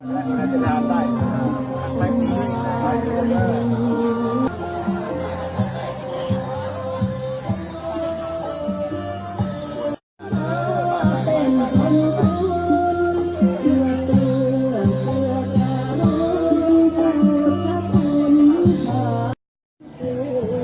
สวัสดีครับทุกคน